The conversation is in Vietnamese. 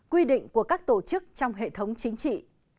quy định của các tổ chức trong hệ thống chính trị